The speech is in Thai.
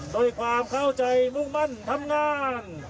ด้วยความเข้าใจมุ่งมั่นทำงาน